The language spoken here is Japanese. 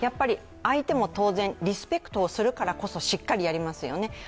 相手も当然、リスペクトをするからこそしっかりやりますよね。